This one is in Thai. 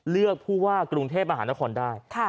เลือกผู้ว่ากรุงเทพมหานครได้